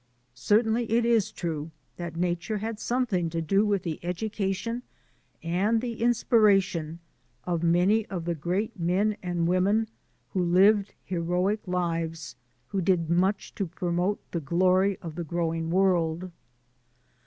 Certainly it is true that nature had something to do with the education and the in 254 THE ADVENTURES OF A NATURE GUIDE spiration of many of the great men and women who lived heroic lives, who did much to promote the glory of the growing world.